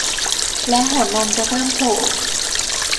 และหัวนมจะเริ่มโผล่